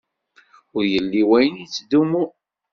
Ur yelli wayen yettdumun.